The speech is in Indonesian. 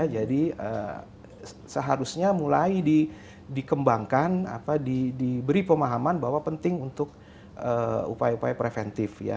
jadi seharusnya mulai dikembangkan diberi pemahaman bahwa penting untuk upaya upaya preventif